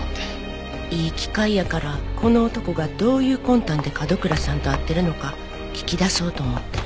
いい機会やからこの男がどういう魂胆で角倉さんと会ってるのか聞き出そうと思って。